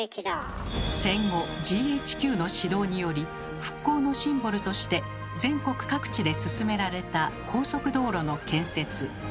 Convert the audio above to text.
戦後ＧＨＱの指導により復興のシンボルとして全国各地で進められた高速道路の建設。